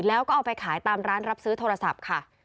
แล้วก็เอาไปขายตามร้านรับซื้อโทรศัพท์ค่ะ